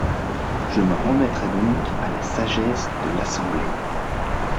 Je m’en remettrai donc à la sagesse de l’Assemblée.